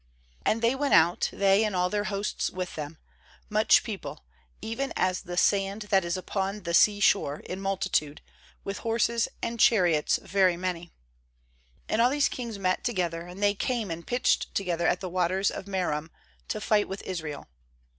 4And they went out, they and all their hosts with them, much people, even as the sand that is upon the sea shore in multitude, with horses and chariots very many. 5And all these kings met together; and they came and pitched together at the waters of Merom, to fight with Israel.